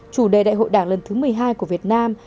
chủ đề đại hội đảng lần thứ một mươi hai của việt nam